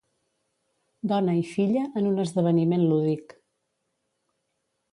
Dona i filla en un esdeveniment lúdic.